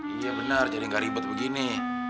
iya bener jadi gak ribet begini